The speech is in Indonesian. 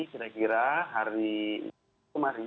kira kira hari kemarin